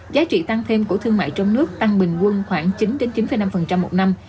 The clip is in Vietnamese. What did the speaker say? giá trị tăng thêm của thương mại trong nước tăng bình quân khoảng chín chín năm một năm